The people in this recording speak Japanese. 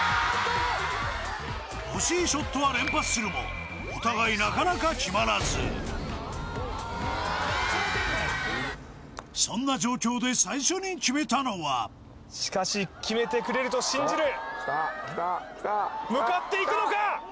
惜しいショットは連発するもお互いなかなかきまらずそんな状況で最初にきめたのはしかしきめてくれると信じる・おっきたきたきた向かっていくのか？